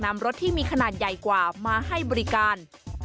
มาให้บริการ